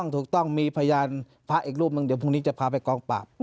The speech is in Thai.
ถูกต้องมีพยานพระอีกรูปหนึ่งเดี๋ยวพรุ่งนี้จะพาไปกองปราบ